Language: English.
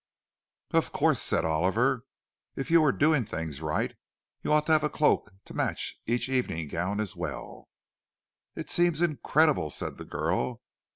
"Of course." said Oliver. "If you were doing things right, you ought to have a cloak to match each evening gown as well." "It seems incredible," said the girl.